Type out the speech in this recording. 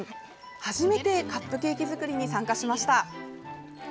初めて、カップケーキ作りに参加しました。